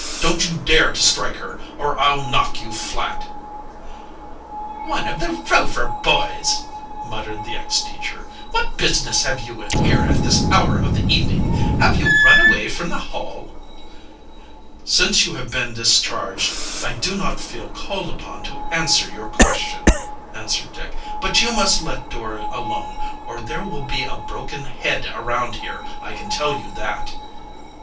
"Don't you dare to strike her, or I'll knock you flat!" "One of the Rover boys!" muttered the ex teacher. "What business have you here at this hour of the evening? Have you run away from the Hall?" "Since you have been discharged, I do not feel called upon to answer your question," answered Dick. "But you must let Dora alone, or there will be a broken head around here, I can tell you that!"